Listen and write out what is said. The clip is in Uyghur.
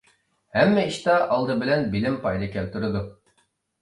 ھەممە ئىشتا ئالدى بىلەن بىلىم پايدا كەلتۈرىدۇ.